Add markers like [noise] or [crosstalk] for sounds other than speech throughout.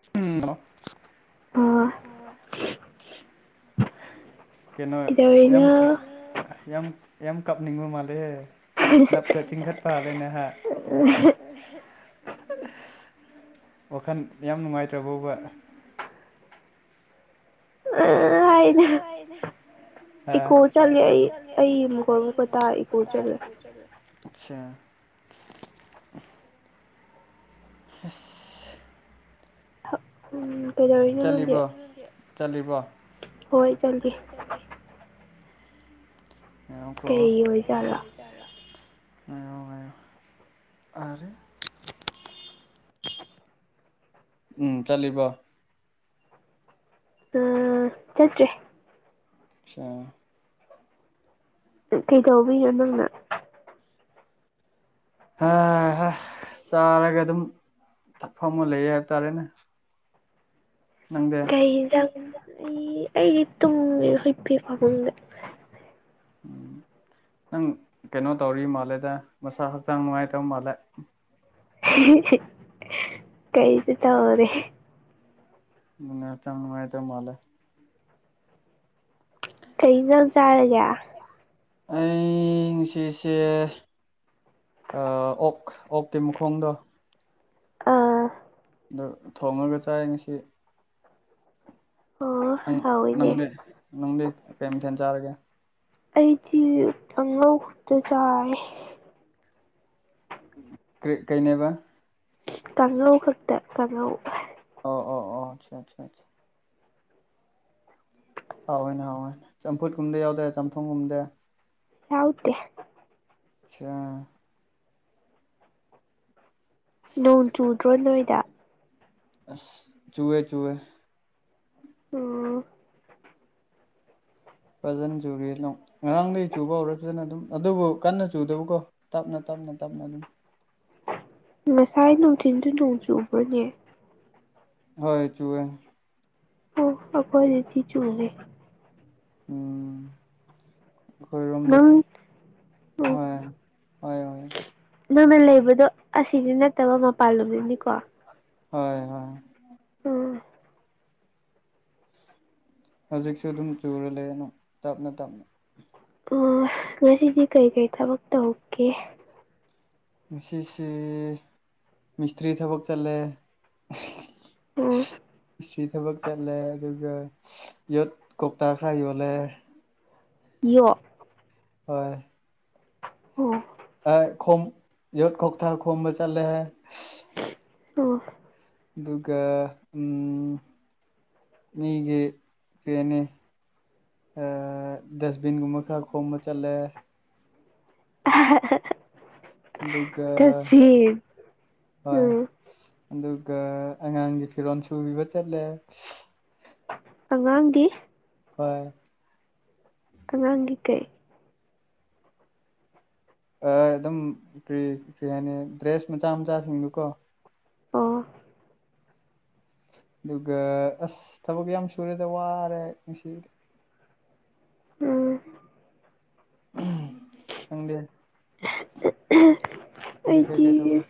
[unintelligible] [unintelligible] ꯀꯩꯅꯣ ꯌꯥꯝ ꯀꯩꯗꯧꯔꯤꯅꯣ ꯌꯥꯝ ꯌꯥꯝ ꯀꯥꯞꯅꯤꯡꯕ ꯃꯥꯜꯂꯦ ꯅꯞꯀ ꯆꯤꯡꯈꯠꯄ ꯍꯥꯜꯂꯦ ꯅꯍꯥꯛ ꯋꯥꯈꯟ ꯌꯥꯝ ꯅꯨꯡꯉꯥꯏꯇ꯭ꯔꯥꯕꯣꯕ [unintelligible] [unintelligible] [unintelligible] ꯑꯥ ꯏꯀꯣ ꯆꯠꯂꯦ ꯏꯀꯣ ꯑꯩ ꯆꯠꯂꯦ ꯑꯩ ꯃꯈꯣꯜ ꯃꯈꯨꯠ ꯑꯩꯅ ꯇꯥ ꯏꯀꯣ ꯀꯧꯕꯒꯥ ꯇꯥꯏ ꯏꯀꯣ ꯆꯠꯂꯦ ꯑꯠꯁꯥ ꯍꯁ ꯀꯩꯗꯧꯔꯤꯅꯣ ꯅꯪꯗꯤ ꯆꯠꯂꯤꯕ꯭ꯔꯣ ꯆꯠꯂꯤꯕ꯭ꯔꯣ ꯍꯣꯏ ꯆꯪꯒꯦ ꯀꯩ ꯑꯣꯏꯖꯥꯠꯂꯥ [unintelligible] ꯉꯥꯏꯌꯣ ꯉꯥꯏꯌꯣ ꯑꯔꯦ ꯎꯝ ꯆꯠꯂꯤꯕꯣ ꯑꯥ ꯆꯠꯇ꯭ꯔꯦ [unintelligible] ꯀꯩꯗꯧꯕꯤꯅꯣ ꯅꯪꯅ ꯍꯥ ꯍꯥ ꯆꯥꯔꯒ ꯑꯗꯨꯝ ꯊꯛꯐꯝ ꯑꯃ ꯂꯩꯌꯦ ꯍꯥꯏꯕ ꯇꯥꯔꯦꯅꯦ ꯅꯪꯗꯤ ꯀꯩ ꯍꯤꯟꯖꯥꯡ ꯑꯩ ꯑꯩꯗꯤ ꯇꯨꯝꯃꯦꯗ ꯍꯨꯏꯄꯤ ꯐꯥꯃꯨꯡꯗ ꯎꯝ ꯅꯪ ꯀꯩꯅꯣ ꯇꯧꯔꯤ ꯃꯥꯜꯂꯦꯗ ꯃꯁꯥ ꯍꯛꯆꯥꯡ ꯅꯨꯡꯉꯥꯏꯇꯕ ꯃꯥꯜꯂꯦ ꯀꯩꯁꯨ ꯇꯧꯗꯦ ꯃꯪꯉꯥ ꯍꯛꯆꯥꯡ ꯅꯨꯉꯥꯏꯇ ꯃꯥꯂꯦ ꯀꯩ ꯖꯥꯡ ꯆꯥꯔꯒꯦ ꯑꯩ ꯉꯁꯤꯁꯦ ꯑꯥ ꯑꯣꯛ ꯑꯣꯛꯀꯤ ꯃꯈꯣꯡꯗꯣ ꯑꯥ ꯗꯨ ꯊꯣꯡꯉꯒ ꯆꯥꯏ ꯉꯁꯤ ꯑꯣ ꯅꯪ ꯍꯥꯎꯋꯤꯅꯦ ꯅꯪꯗꯤ ꯅꯪꯗꯤ ꯀꯩ ꯃꯊꯦꯟ ꯆꯥꯔꯒꯦ ꯑꯩꯗꯤ ꯑꯉꯧ ꯈꯨꯠꯇꯣ ꯆꯥꯏꯌꯦ ꯀ꯭ꯔꯤ ꯀꯩꯅꯦꯕ ꯇꯥꯡꯂꯧ ꯈꯛꯇꯦ ꯇꯥꯡꯉꯧ ꯑꯣ ꯑꯣ ꯑꯣ ꯆꯥ ꯆꯥ ꯆꯥ ꯍꯥꯎꯏꯅꯦ ꯍꯥꯎꯏꯅꯦ ꯆꯝꯐꯨꯠ ꯀꯨꯝꯕꯗꯤ ꯌꯥꯎꯗ꯭ꯔꯦ ꯆꯝꯊꯣꯡꯒꯨꯝꯗꯦ ꯌꯥꯎꯗꯦ ꯁꯦ ꯅꯣꯡ ꯆꯨꯗ꯭ꯔꯣ ꯅꯣꯏꯗ ꯑꯁ ꯆꯨꯋꯦ ꯆꯨꯋꯦ ꯑꯣ ꯐꯖꯅ ꯆꯨꯔꯤ ꯅꯣꯡ ꯉꯔꯥꯡꯗꯩ ꯆꯨꯕ ꯍꯧꯔꯛꯈ꯭ꯔꯦꯅ ꯑꯗꯨꯝ ꯑꯗꯨꯕꯨ ꯀꯟꯅ ꯆꯨꯗꯕꯀꯣ ꯇꯞꯅ ꯇꯞꯅ ꯇꯞꯅ ꯑꯗꯨꯝ ꯉꯁꯥꯏ ꯅꯨꯡꯊꯤꯟꯁꯨ ꯅꯣꯡ ꯆꯨꯕ꯭ꯔꯅꯦ ꯍꯣꯏ ꯆꯨꯋꯦ ꯑꯣ ꯑꯈꯣꯏꯗꯤ ꯊꯤꯆꯨꯅꯦ ꯎꯝ ꯑꯩꯈꯣꯏꯔꯣꯝꯗ ꯅꯪ ꯎꯝ ꯍꯣꯏ ꯍꯣꯏ ꯍꯣꯏ ꯅꯪꯅ ꯂꯩꯕꯗꯣ ꯑꯁꯤꯗꯤ ꯅꯠꯇꯕ ꯃꯄꯥꯟꯂꯣꯝꯗꯅꯤꯀꯣ ꯍꯣꯏ ꯍꯣꯏ ꯑ ꯍꯧꯖꯤꯛꯁꯨ ꯑꯗꯨꯝ ꯆꯨꯔ ꯂꯩꯔ ꯅꯣꯡ ꯇꯞꯅ ꯇꯞꯅ ꯑ ꯉꯁꯤꯗꯤ ꯀꯩꯩꯀꯩ ꯊꯕꯛ ꯇꯧꯒꯦ ꯉꯁꯤꯁꯤ ꯃꯤꯁꯇ꯭ꯔꯤ ꯊꯕꯛ ꯆꯠꯂꯦ [unintelligible] ꯎꯝ [unintelligible] ꯁ꯭ꯔꯤ ꯊꯕꯛ ꯆꯠꯂꯦ ꯑꯗꯨ ꯒ ꯌꯣꯠ ꯀꯧꯇꯥ ꯈꯔ ꯌꯣꯜꯂꯦ ꯌꯣ ꯍꯣꯏ ꯑꯣ ꯑ ꯈꯣꯝ ꯌꯣꯠ ꯀꯧꯇꯥ ꯈꯣꯝꯕ ꯆꯠꯂꯦ [unintelligible] ꯑꯣ ꯑꯗꯨꯒ ꯎꯝ ꯃꯤꯒꯤ ꯄꯦꯅꯤ ꯑ ꯗꯁꯕꯤꯟꯒꯨꯝꯕ ꯈꯔ ꯈꯣꯝꯕ ꯆꯠꯂꯦ [unintelligible] ꯑꯗꯨꯒ ꯗꯁꯕꯤꯟ ꯍꯣꯏ ꯎꯝ ꯑꯗꯨꯒ ꯑꯉꯥꯡꯒꯤ ꯐꯤꯔꯣꯜ ꯁꯨꯕꯤꯕ ꯆꯠꯂꯦ ꯑꯉꯥꯡꯒꯤ ꯍꯣꯏ ꯑꯉꯥꯡꯒꯤ ꯀꯩ ꯑ ꯑꯗꯨꯝ ꯀ꯭ꯔꯤ ꯀꯩ꯭ꯔꯤ ꯍꯥꯏꯅꯤ ꯗ꯭ꯔꯦꯁ ꯃꯆꯥ ꯃꯆꯥꯁꯤꯡꯗꯨ ꯀꯣ ꯑꯣ ꯑꯗꯨꯒ ꯑꯁ ꯊꯕꯛ ꯌꯥꯝ ꯁꯨꯔꯦꯗ ꯋꯥꯔꯦ ꯑꯩ ꯉꯁꯤꯗꯤ ꯎꯝ [unintelligible] ꯅꯪꯗꯤ ꯅꯪꯗꯤ ꯀꯩꯀꯩ ꯇꯧꯒꯦ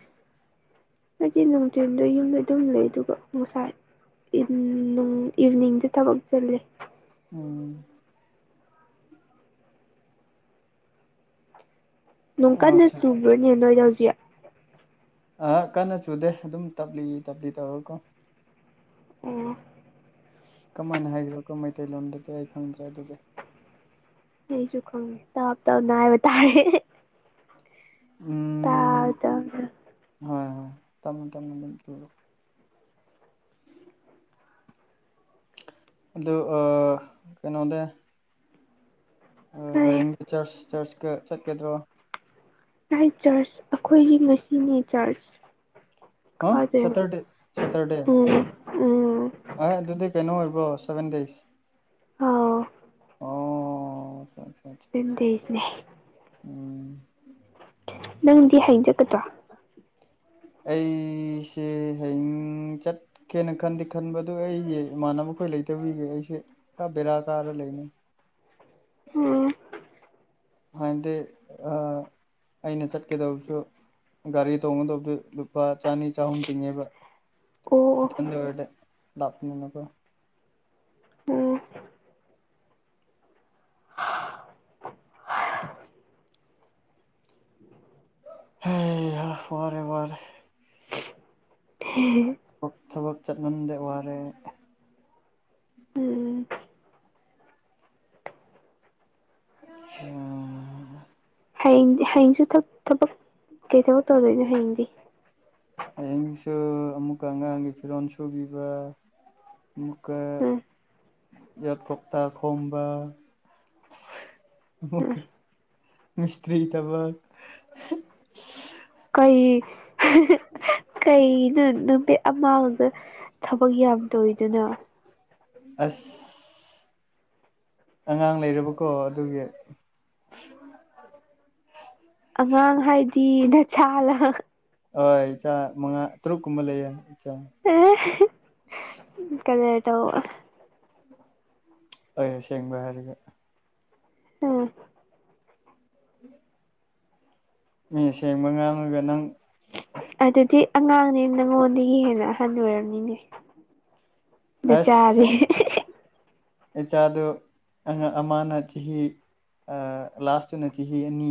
ꯍꯥꯏꯗꯤ ꯅꯨꯡꯊꯦꯟꯗ ꯌꯨꯝꯗ ꯑꯗꯨꯝ ꯂꯩ ꯑꯗꯨꯒ ꯉꯁꯥꯏ ꯏꯚꯅꯤꯡꯁꯦ ꯊꯕꯛ ꯆꯜꯂꯦ ꯎꯝ ꯅꯨꯡ ꯀꯟꯅ ꯑꯠꯆꯥ ꯆꯨꯕ꯭ꯔꯅꯦ ꯅꯣꯏꯗ ꯍꯧꯖꯤꯛ ꯑ ꯀꯟꯅ ꯆꯨꯗꯦ ꯑꯗꯨꯝ ꯇꯞꯂꯤ ꯇꯞꯂꯤ ꯇꯧꯔꯀꯣ ꯑꯣ ꯀꯃꯥꯏꯅ ꯍꯥꯏꯈ꯭ꯔꯣꯀꯣ ꯃꯩꯇꯩꯂꯣꯟꯗꯗꯤ ꯑꯩ ꯈꯪꯗ꯭ꯔꯦ ꯑꯗꯨꯗꯤ ꯑꯩꯁꯨ ꯈꯪꯉꯦ ꯇꯞ ꯇꯞꯅ ꯍꯥꯏꯕ ꯇꯥꯔꯦ ꯇ ꯎꯝ ꯑꯗꯨ ꯍꯣꯏ ꯍꯣꯏ ꯇꯝꯃꯃꯦꯣ ꯇꯝꯃꯣ ꯑꯗꯨꯝ ꯇꯔꯛꯑꯣ ꯑꯗꯨꯗ ꯀꯩꯅꯣꯗ ꯀꯔꯤ ꯍꯌꯦꯡꯁ ꯆꯔꯆ ꯆꯔꯆꯀ ꯆꯠꯀꯗ꯭ꯔꯣ ꯥꯏ ꯆꯔꯆ ꯑꯩꯈꯣꯏꯒꯤ ꯃꯁꯤꯅꯤ ꯆꯔꯆ ꯍ ꯀꯥꯗꯣꯏꯕ ꯁꯇꯔꯗꯦ ꯁꯇꯔꯗꯦ ꯎꯝ ꯎꯝ ꯍꯣꯏ ꯑꯗꯨꯗꯤ ꯀꯩꯅꯣ ꯑꯣꯏꯕ꯭ꯔꯣ ꯁꯚꯦꯟ ꯗꯦꯖ ꯑꯥꯎ ꯑꯣ ꯑꯗꯨꯤꯟꯗꯁꯅꯦ [inaudible] ꯅꯪꯗꯤ ꯍꯥꯏꯡꯖꯀꯗ꯭ꯔꯣ ꯑꯩꯁꯦ ꯍꯌꯦꯡ ꯆꯠ ꯀꯦꯅ ꯈꯟꯗꯤꯦ ꯈꯟꯕꯗꯨ ꯑꯩꯒꯤ ꯏꯃꯥꯟꯅꯕꯈꯣꯏ ꯂꯩꯇꯕꯤꯒꯦ ꯑꯩꯁꯦ ꯈꯔ ꯕꯦꯔꯥ ꯀꯥꯔ ꯂꯩꯅꯤꯩ ꯑꯣꯝ ꯍꯥꯟꯅꯗꯤ ꯑꯩꯅ ꯆꯠꯀꯗꯕꯁꯨ ꯒꯥꯔꯤ ꯇꯣꯡꯒꯗꯕꯗꯨ ꯂꯨꯄꯥ ꯆꯅꯤ ꯆꯍꯨꯝ ꯇꯤꯡꯉꯦꯕ ꯑꯣ ꯏꯊꯟꯗ ꯑꯣꯏꯔꯗ ꯂꯥꯛꯄꯅꯤꯅꯀꯣ ꯑꯣꯝ ꯍ ꯋꯥꯔꯦ ꯋꯥꯔꯦ ꯎꯝ ꯊꯕꯛ ꯆꯠꯂꯝꯗꯦ ꯋꯥꯔꯦ ꯎꯝ ꯎꯝ ꯍꯌꯦꯡ ꯍꯌꯦꯡꯁꯨ ꯊꯕꯛ ꯀꯩ ꯊꯕꯛ ꯇꯧꯗꯣꯏꯅꯣ ꯍꯌꯦꯡꯗꯤ ꯍꯌꯦꯡꯁꯨ ꯑꯃꯨꯛꯀ ꯑꯉꯥꯡꯒꯤ ꯐꯤꯔꯣꯜ ꯁꯨꯕꯤꯕ ꯑꯃꯨꯒ ꯎꯝ ꯌꯠ ꯀꯣꯛꯇꯥ ꯈꯣꯝꯕꯥ ꯃ ꯎꯝ ꯃꯤꯁꯇ꯭ꯔꯤ ꯇꯕꯛ ꯀꯩ ꯀꯩꯅꯣ ꯅꯨꯃꯤꯠ ꯑꯃꯥꯡꯗ ꯊꯕꯛ ꯌꯥꯝꯗꯣꯏꯔꯤꯗꯨꯅ ꯑꯁ ꯑꯉꯥꯡ ꯂꯩꯔꯕꯀꯣ ꯑꯗꯨꯒꯤ ꯎ ꯑꯉꯥꯡ ꯍꯥꯏꯗꯤ ꯅꯁꯥꯂ ꯍ ꯏ ꯃꯉ ꯇꯔꯨꯛ ꯀꯨꯃ ꯂꯩ ꯏ ꯀꯜꯂꯤꯦꯇ ꯑ ꯁꯦꯡꯕ ꯍꯥꯏꯔꯒ ꯑ ꯎꯝ ꯃꯤ ꯁꯦꯡꯕ ꯉꯥꯡꯉꯒ ꯅꯪ ꯑꯗꯨꯗꯤ ꯑꯉꯥꯡꯅꯦ ꯅꯪꯉꯣꯟꯗꯒꯤ ꯍꯦꯟꯅꯍꯜꯂ ꯑꯣꯏꯔꯕꯝꯅꯤꯅꯦ ꯑꯁ ꯏꯆꯥꯗꯨ ꯑ ꯑꯃꯅ ꯆꯍꯤ ꯂꯥꯁꯇꯨꯅ ꯆꯍꯤ ꯑꯅꯤ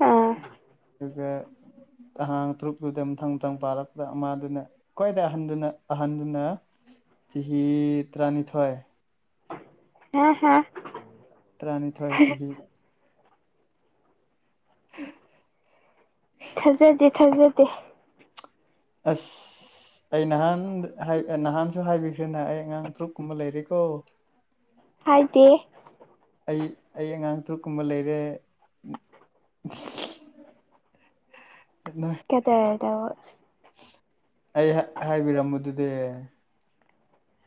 ꯑꯥ [unintelligible] ꯇꯪ ꯄꯥꯔꯛꯄ ꯑꯃꯗꯨꯅ ꯀꯣꯏꯗ ꯑꯍꯟꯗꯨꯅ ꯑꯍꯟꯗꯨꯅ ꯆꯍꯤ ꯇꯔꯥꯅꯤꯊꯣꯏ ꯍ ꯍꯥ ꯇꯔꯥꯅꯤꯊꯣꯏ ꯆꯍꯤ ꯗ [inaudible] ꯊꯥꯖꯗꯦ ꯊꯥꯖꯗꯦ ꯑꯁ ꯑꯁ ꯑꯩ ꯅꯍꯥꯟ ꯅꯍꯥꯟꯁꯨ ꯍꯥꯏꯕꯤꯈ꯭ꯔꯦꯅ ꯑꯩ ꯑꯉꯥꯡ ꯇ꯭ꯔꯨꯛꯀꯨꯝꯕ ꯂꯩꯔꯦꯀꯣ ꯍꯥꯏꯗꯤ ꯑꯩ ꯑꯩ ꯑꯉꯥꯡ ꯇ꯭ꯔꯨꯛꯀꯨꯝꯕ ꯂꯩꯔꯦ [unintelligible] ꯀꯗꯔꯗꯣ ꯑꯩ ꯍꯥꯏꯕꯤꯔꯝꯃꯗꯨꯗꯤ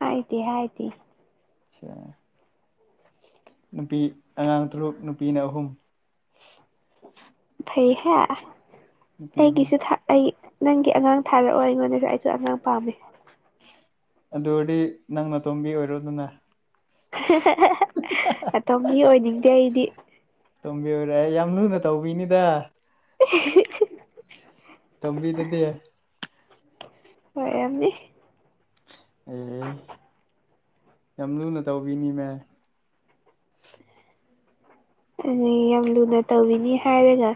ꯍꯥꯏꯗꯦ ꯍꯥꯏꯗꯦ ꯆꯥ ꯅꯨꯄꯤ ꯑꯉꯥꯡ ꯇꯔꯨꯛ ꯅꯨꯄꯤꯅ ꯑꯍꯨꯝ ꯐꯩꯍꯦ ꯑ ꯅꯨꯄꯤ ꯑꯍꯨꯝ ꯑꯩꯒꯤꯁꯨ ꯊꯥ ꯑꯩ ꯅꯪꯒꯤ ꯑꯉꯥꯡ ꯊꯥꯔꯛꯑꯣ ꯑꯩꯉꯣꯟꯗꯁꯨ ꯑꯩꯁꯨ ꯑꯉꯥꯡ ꯄꯥꯝꯃꯤ ꯑꯗꯨ ꯑꯣꯏꯔꯗꯤ ꯅꯪꯅ ꯑꯇꯣꯝꯕꯤ ꯑꯣꯏꯔꯣꯗꯅꯦ ꯑꯇꯣꯝꯕꯤ ꯑꯣꯏꯅꯤꯡꯗꯦ ꯑꯩꯗꯤ ꯇꯣꯝꯕꯤ ꯑꯣꯏꯔ ꯌꯥꯝ ꯂꯨꯅ ꯇꯧꯕꯤꯅꯤꯗ [unintelligible] ꯇꯣꯝꯕꯤꯗꯗꯤ ꯑꯣꯏꯔꯝꯅꯤ ꯑꯦ ꯌꯥꯝ ꯂꯨꯅ ꯇꯧꯕꯤꯅꯤꯗ ꯑꯗꯤ ꯌꯥꯝ ꯂꯨꯅ ꯇꯧꯕꯤꯅꯤ ꯍꯥꯏꯔꯒ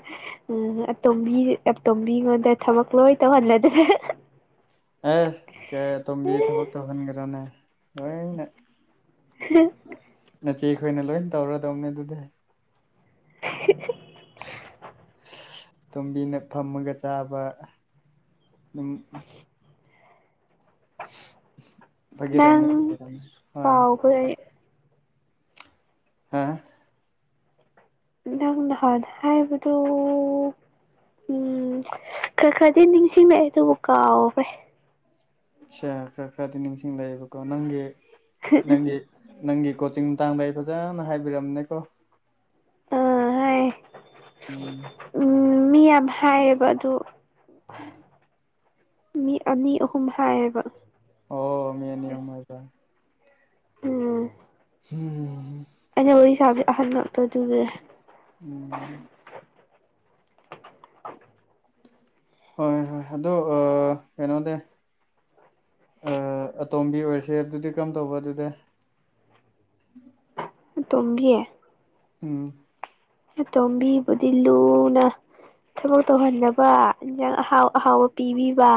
ꯎꯝ ꯑꯇꯣꯝꯕꯤ ꯑꯇꯣꯝꯕꯤꯉꯣꯟꯗ ꯊꯕꯛ ꯂꯣꯏ ꯇꯧꯍꯜꯂꯗꯤ ꯑꯦ ꯀꯦ ꯑꯇꯣꯝꯕꯤ ꯊꯕꯛ ꯇꯧꯍꯟꯒꯦꯔꯅꯦ ꯂꯣꯏꯅ [inaudible] ꯅꯆꯦꯈꯣꯏꯅ ꯂꯣꯏꯅ ꯇꯧꯔꯗꯧꯅꯦ ꯑꯗꯨꯗꯤ ꯇꯣꯝꯕꯤꯅ ꯐꯝꯃꯒ ꯆꯥꯕ ꯑꯗꯨꯝ ꯐꯒꯤ ꯅꯪ ꯇꯧꯅꯤ ꯐꯒꯤ ꯇꯧꯅꯤ ꯍꯣꯌ ꯀꯥꯎꯈ꯭ꯔꯦ ꯍꯥꯥ ꯅꯪ ꯅꯍꯥꯟ ꯍꯥꯏꯕꯗꯨ ꯎꯝ ꯈꯔ ꯈꯔꯗꯤ ꯅꯤꯡꯁꯤꯡꯂꯛꯑꯦ ꯑꯗꯨꯕꯨ ꯀꯥꯎꯒꯔꯦ ꯑꯆꯥ ꯈꯔ ꯈꯔꯗꯤ ꯅꯤꯡꯁꯤꯡ ꯂꯩꯌꯦꯕꯀꯣ ꯅꯪꯒꯤ ꯅꯪꯒꯤ ꯅꯪꯒꯤ ꯀꯣꯆꯤꯡ ꯃꯇꯥꯡꯗ ꯑꯩ ꯐꯖꯅ ꯍꯥꯏꯕꯤꯔꯝꯅꯦꯀꯣ ꯑꯥ ꯍꯥꯏ ꯎꯝ ꯎꯝ ꯃꯤ ꯌꯥꯝ ꯍꯥꯏꯌꯦꯕ ꯑꯗꯨ ꯃꯤ ꯑꯅꯤ ꯑꯍꯨꯝ ꯍꯥꯏꯌꯦꯕ ꯑꯣ ꯃꯤ ꯑꯅꯤ ꯑꯍꯨꯝ ꯍꯥꯏꯕꯔꯥ ꯎꯝ ꯎꯝ ꯑꯩꯅ ꯋꯥꯔꯤ ꯁꯥꯕꯁꯦ ꯑꯍꯟ ꯉꯥꯛꯇ ꯑꯗꯨꯒꯤ ꯎꯝ ꯍꯣꯏ ꯍꯣꯏ ꯑꯗꯣ ꯀꯩꯅꯣꯗꯦ ꯑꯇꯣꯝꯕꯤ ꯑꯣꯏꯔꯁꯦ ꯑꯗꯨꯗꯤ ꯀꯔꯝ ꯇꯧꯕ ꯑꯗꯨꯗꯤ ꯑꯇꯣꯝꯕꯤ ꯎꯝ ꯇꯣꯝꯕꯤꯕꯨꯗꯤ ꯂꯨꯅ ꯊꯕꯛ ꯇꯧꯍꯟꯗꯕ ꯏꯟꯁꯥꯡ ꯑꯍꯥꯎ ꯑꯍꯥꯎꯕ ꯄꯤꯕꯤꯕ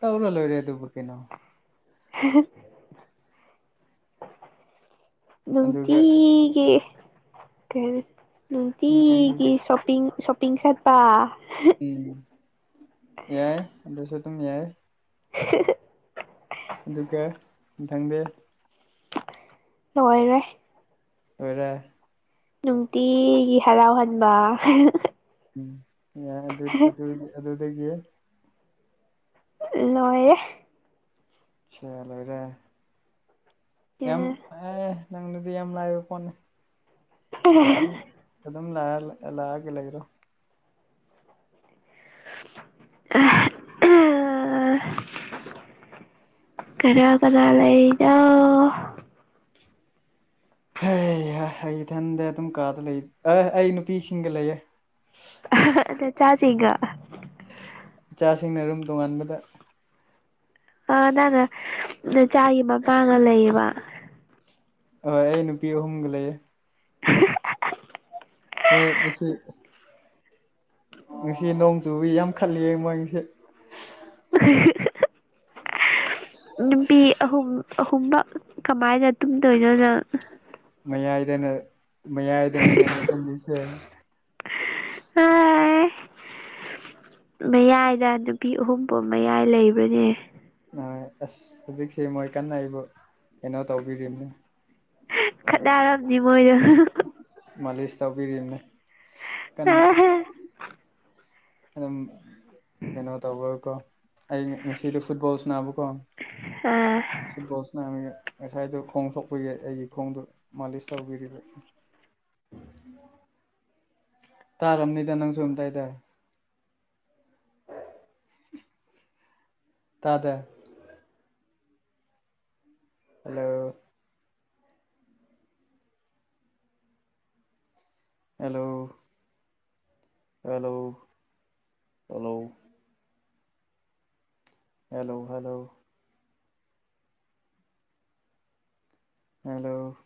ꯇꯧꯔ ꯂꯣꯏꯔꯦ ꯑꯗꯨꯕꯨ ꯀꯩꯅꯣ [inaudible] ꯑꯗꯨꯒ ꯅꯨꯡꯇꯤꯒꯤ ꯀ ꯅꯨꯡꯇꯤꯒꯤ ꯁꯣꯄꯤꯡ ꯁꯣꯄꯤꯡ ꯆꯠ ꯎꯝ ꯌꯥꯏ ꯑꯗꯨꯁꯨ ꯑꯗꯨꯝ ꯌꯥꯏ ꯑꯗꯨꯒ ꯃꯊꯪꯗꯦ ꯂꯣꯏꯔꯦ ꯑꯣꯏꯗ ꯅꯨꯡꯇꯤꯒꯤ ꯍꯔꯥꯎꯍꯟꯕ ꯎꯝ ꯌꯥ ꯑꯗꯨ ꯑꯗꯨꯗꯒꯤ ꯂꯣꯏꯌꯦꯦ ꯦ ꯂꯩꯔꯦ ꯌꯥꯝ ꯑꯦ ꯅꯪꯅꯗꯤ ꯌꯥꯝ ꯂꯥꯏꯕ ꯐꯣꯟꯅꯤ ꯑꯗꯨꯝ ꯂ ꯂꯥꯛꯑꯒ ꯂꯩꯒ꯭ꯔꯣ ꯑ ꯑ ꯀꯔ ꯀꯔ ꯂꯩꯗ ꯍ ꯏꯊꯟꯗ ꯑꯗꯨꯝ ꯀꯥꯗ ꯂꯩ ꯑ ꯑꯩ ꯅꯨꯄꯤꯁꯤꯡꯒ ꯂꯩꯌꯦꯦ ꯆꯥꯖꯒ ꯏꯆꯥꯁꯤꯡꯅ ꯔꯨꯝ ꯇꯣꯉꯥꯟꯕꯗ ꯑꯥ ꯅꯪꯅ ꯆꯆꯥꯒꯤ ꯃꯄꯥꯥꯡꯒ ꯂꯩꯌꯦꯕ ꯍꯣꯏ ꯑꯩ ꯅꯨꯄꯤ ꯑꯍꯨꯝꯒ ꯂꯩꯌꯦ [inaudible] ꯍꯣꯏ ꯃꯁꯤ ꯉꯁꯤ ꯅꯣꯡ ꯆꯨ ꯌꯥꯝ ꯈꯜꯂꯤꯌꯦ ꯃꯥꯡꯁꯦ [inaudible] ꯅꯨꯄꯤ ꯑꯍꯨꯝ ꯑꯍꯨꯝꯕ ꯀꯃꯥꯏꯅ ꯇꯨꯝꯗꯣꯏꯅꯣꯅꯪ ꯃꯌꯥꯏꯗꯅꯦ ꯃꯌꯥꯏꯗꯅꯦꯅꯦ ꯇꯝꯕꯤꯁꯦ ꯑ ꯃꯌꯥꯏꯗ ꯅꯨꯄꯤ ꯑꯍꯨꯝꯐꯥꯎ ꯃꯌꯥꯏ ꯂꯩꯕꯅꯦ ꯑꯁ ꯍꯧꯖꯤꯛꯁꯦ ꯃꯣꯏ ꯀꯟꯅ ꯑꯩꯕꯨ ꯀꯩꯅꯣ ꯇꯧꯕꯤꯔꯤꯕꯅꯤ ꯈꯠꯅꯔꯝꯅꯤ ꯃꯣꯏꯗꯣ ꯃꯥꯂꯁ ꯇꯥꯎꯕꯤꯔꯤꯅꯦ ꯀꯟꯅ ꯑꯗꯨꯝ ꯀꯩꯅꯣ ꯇꯧꯕꯔꯀꯣ ꯑꯩ ꯉꯁꯤꯗ ꯐꯨꯠꯕꯣꯜꯁꯨ ꯅꯥꯅꯕꯀꯣ ꯑꯥ ꯁꯤꯠꯕꯣꯜꯁꯅ ꯉꯁꯥꯏꯗꯨꯣ ꯈꯣꯡ ꯁꯣꯛꯄꯤ ꯌꯥ ꯑꯩꯒꯤ ꯈꯣꯡꯗ ꯃꯥꯂꯤꯁ ꯇꯧꯕꯤꯔꯤꯕ [inaudible] ꯇꯥꯔꯕꯅꯤꯗ ꯅꯪꯁꯨꯣ ꯑꯝꯇ ꯍꯥꯏꯇꯥꯔꯦ ꯇꯥꯗ hello hello hello hello hello hello hello